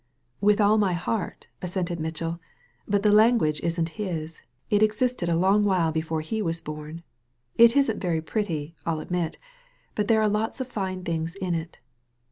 "With all my heart," assented Mitchell. "But the language isn't his. It existed a long while before he was bom. It isn't very pretty, I'll admit. But there are lots of fine things in it.